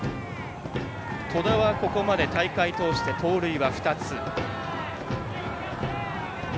戸田は、ここまで大会通して盗塁は２つ。